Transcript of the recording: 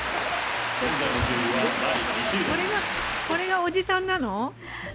これが、おじさんなの？